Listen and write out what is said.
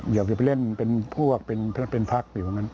อย่าไปเล่นเป็นพวกเป็นภาคอยู่ข้างนั้น